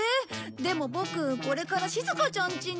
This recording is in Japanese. でもボクこれからしずかちゃん家に。